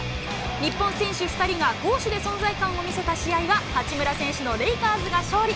日本選手２人が攻守で存在感を見せた試合は、八村選手のレイカーズが勝利。